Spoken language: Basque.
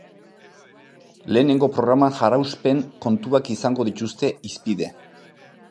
Lehenengo programan jaraunspen kontuak izango dituzte hizpide.